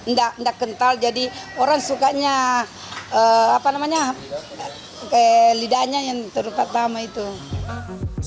nggak kental jadi orang sukanya lidahnya yang terluka sama itu